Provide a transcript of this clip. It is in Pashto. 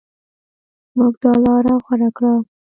موږ دا لاره غوره کړه.